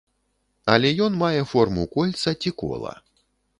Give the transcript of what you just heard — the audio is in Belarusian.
Але ён мае форму кольца, ці кола.